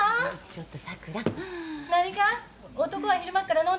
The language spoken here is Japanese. ちょっと。